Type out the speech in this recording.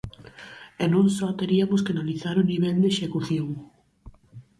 E non só teriamos que analizar o nivel de execución.